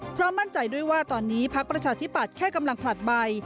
พร้อมมั่นใจด้วยว่าตอนนี้พักประชาธิปัตย์แค่กำลังผลัดใบ